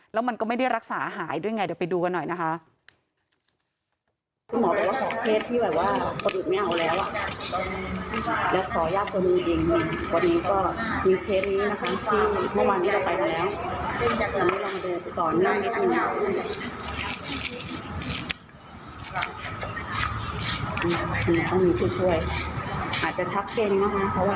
แล้วมันก็ไม่ได้รักษาหายด้วยไงเดี๋ยวไปดูกันหน่อยนะคะ